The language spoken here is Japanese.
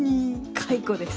解雇です。